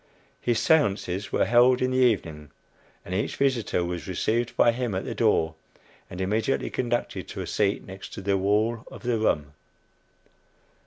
His séances were held in the evening, and each visitor was received by him at the door, and immediately conducted to a seat next the wall of the room.